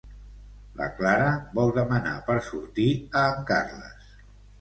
La Clara vol demanar per sortir a en Carles.